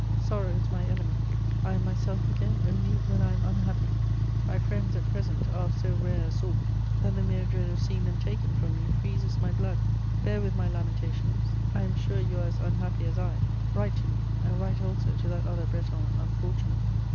Sorrow is my element: I am myself again only when I am unhappy. My friends at present are of so rare a sort that the mere dread of seeing them taken from me freezes my blood. Bear with my lamentations: I am sure you are as unhappy as I. Write to me, and write also to that other Breton unfortunate."